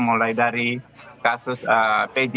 mulai dari kasus pj